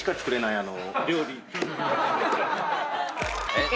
えっ？